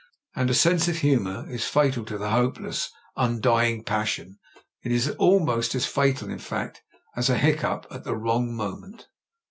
And a sense of humour is fatal to the hopeless, undying passion. It is almost as fatal, in fact, as a hiccough at the wrong moment.